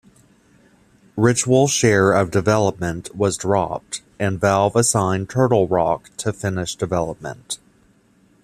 Ritual's share of development was dropped, and Valve assigned Turtle Rock to finish development.